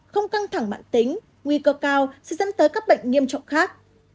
không căng thẳng mạng tính nguy cơ cao sẽ dẫn tới các bệnh nghiêm trọng khác